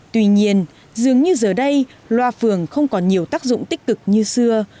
tuy nhiên dường như giờ đây loa phường không còn nhiều tác dụng tích cực như xưa